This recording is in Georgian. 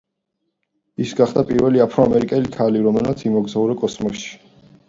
ის გახდა პირველი აფრო-ამერიკელი ქალი, რომელმაც იმოგზაურა კოსმოსში.